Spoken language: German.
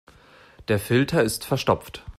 Der Filter ist verstopft.